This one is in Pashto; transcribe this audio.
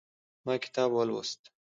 ما کتاب ولوست